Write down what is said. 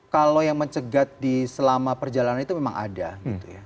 kalau yang mencegat di selama perjalanan itu memang ada gitu ya